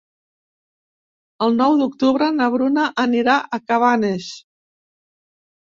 El nou d'octubre na Bruna anirà a Cabanes.